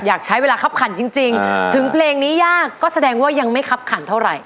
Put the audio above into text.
อยากใช้เวลาคับขันจริงถึงเพลงนี้ยากก็แสดงว่ายังไม่คับขันเท่าไหร่